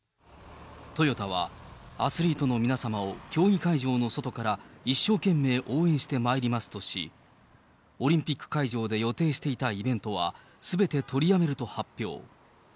トヨタはアスリートの皆様を競技会場の外から一生懸命応援してまいりますとし、オリンピック会場で予定していたイベントはすべて取りやめると発表。